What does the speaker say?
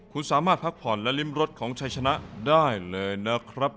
คุณสามารถพักผ่อนและริมรถของชัยชนะได้เลยนะครับ